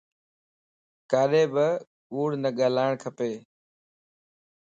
ڪڏي بي ڪوڙ نه ڳالھاڙ کپ